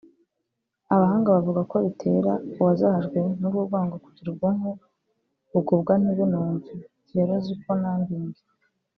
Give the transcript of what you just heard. Abahanga bavuga ko bitera uwazahajwe n’urwo rwango kugira ubwonko bugobwa ntibunumve (pschological numbing)